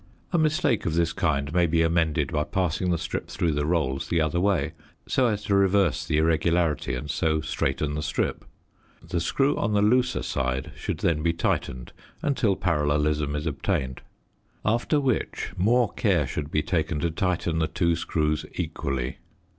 A mistake of this kind may be amended by passing the strip through the rolls the other way, so as to reverse the irregularity and so straighten the strip. The screw on the looser side should then be tightened until parallelism is obtained; after which more care should be taken to tighten the two screws equally.